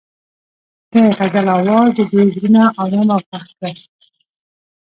د غزل اواز د دوی زړونه ارامه او خوښ کړل.